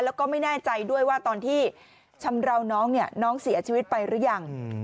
แล้วก็ไม่แน่ใจด้วยว่าตอนที่ชำราวน้องเนี่ยน้องเสียชีวิตไปหรือยัง